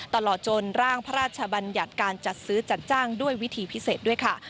ตลอดจนร่างพระราชบัญญัติการจัดซื้อจัดจ้างด้วยวิธีพิเศษด้วยค่ะ